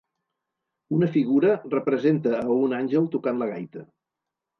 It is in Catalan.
Una figura representa a un àngel tocant la gaita.